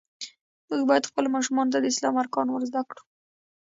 مونږ باید خپلو ماشومانو ته د اسلام ارکان ور زده کړو.